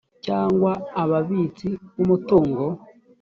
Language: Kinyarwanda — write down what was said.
cyangwa ababitsi b umutungo